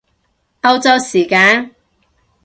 歐洲時間？